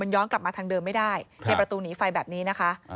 ย้อนกลับมาทางเดิมไม่ได้ในประตูหนีไฟแบบนี้นะคะ